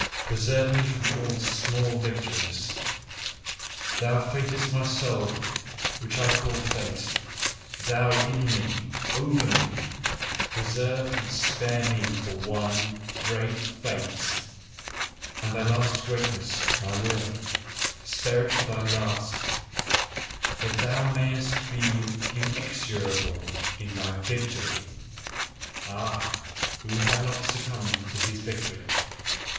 Preserve me from all small victories! Thou fatedness of my soul, which I call fate! Thou In me! Over me! Preserve and spare me for one great fate! And thy last greatness, my Will, spare it for thy last that thou mayest be inexorable IN thy victory! Ah, who hath not succumbed to his victory!